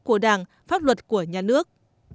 của đảng pháp luật của nhà nước